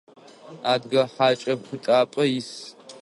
Адыгэ хьакӏэ пытапӏэ ис.